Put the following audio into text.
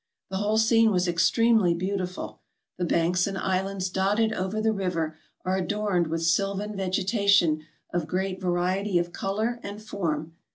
The whole scene was extremely beautiful; the banks and islands dotted over the river are adorned with sylvan vegetation of great variety of color and form.